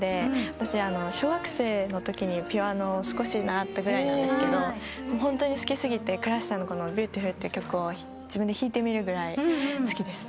私小学生のときにピアノを少し習ったぐらいなんですけどホントに好き過ぎてＣｒｕｓｈさんの『Ｂｅａｕｔｉｆｕｌ』って曲を自分で弾いてみるぐらい好きです。